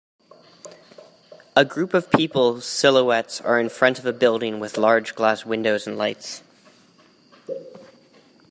A group of people s silhouettes are in front of a building with large glass windows and lights